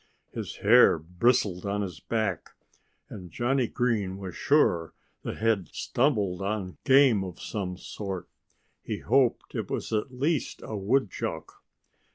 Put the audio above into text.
His hair bristled on his back. And Johnnie Green was sure that they had stumbled on game of some sort. He hoped it was at least a woodchuck.